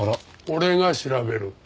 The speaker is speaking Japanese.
俺が調べる。